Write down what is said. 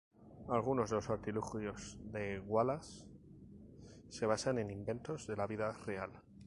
Algunos de los artilugios de Wallace se basan en inventos de la vida real.